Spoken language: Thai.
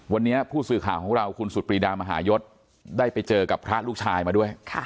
วันนี้ผู้สื่อข่าวของเราคุณสุดปรีดามหายศได้ไปเจอกับพระลูกชายมาด้วย